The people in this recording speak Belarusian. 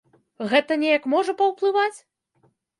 Гэта неяк можа паўплываць?